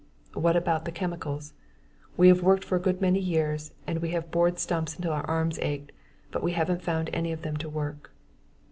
What about the chemicals? We have worked for a good many years and we have bored stumps until our arms ached, but we haven't found any of them that work.